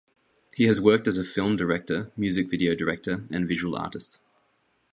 He has worked as a film director, music video director, and visual artist.